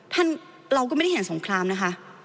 เราก็ไม่ได้เห็นสงครามนะคะ